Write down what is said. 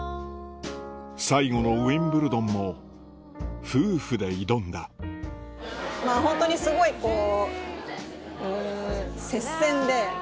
最後のウィンブルドンも夫婦で挑んだホントにすごいこう。